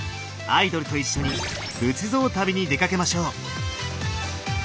アイドルと一緒に仏像旅に出かけましょう。